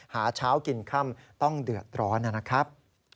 หาเช้ากินค่ำต้องเดือดร้อนนะครับ